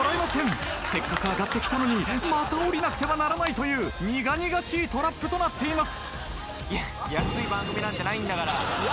せっかく上がってきたのにまた下りなくてはならないという苦々しいトラップとなっています。